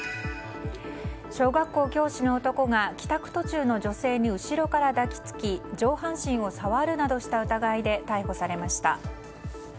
小学校教師の男が帰宅途中の女性に後ろから抱き付き上半身を触るなどした疑いで逮捕されました。